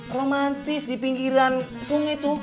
romantis di pinggiran sungai itu